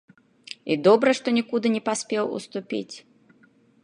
І добра, што нікуды не паспеў уступіць.